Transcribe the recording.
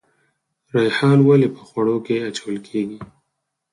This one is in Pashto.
ریحان ولې په خوړو کې اچول کیږي؟